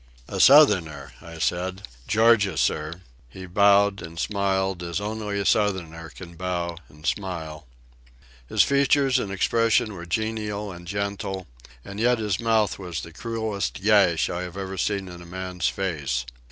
"A Southerner," I said. "Georgia, sir." He bowed and smiled, as only a Southerner can bow and smile. His features and expression were genial and gentle, and yet his mouth was the cruellest gash I had ever seen in a man's face.